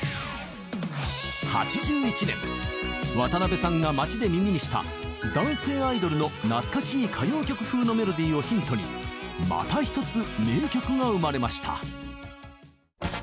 ８１年渡辺さんが街で耳にした男性アイドルの懐かしい歌謡曲風のメロディーをヒントにまた一つ名曲が生まれました。